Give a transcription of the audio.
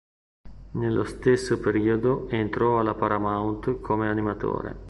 Nello stesso periodo entrò alla Paramount come animatore.